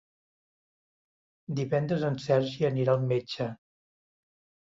Divendres en Sergi anirà al metge.